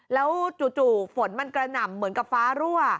แล้วจู่ฝนมันกระหน่ำเหมือนกับฟ้ารั่ว